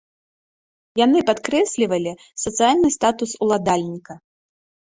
Яны падкрэслівалі сацыяльны статус ўладальніка.